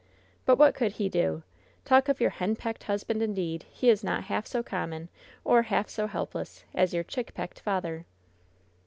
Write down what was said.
But what could he do ? Talk of your henpecked husband, indeed ! He is not half so common, or half so helpless, as your chickpecked father.